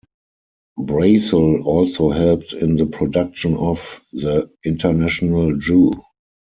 Brasol also helped in the production of "The International Jew".